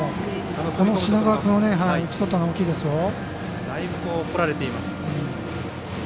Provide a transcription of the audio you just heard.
この品川君を打ち取ったのは大きいですよ。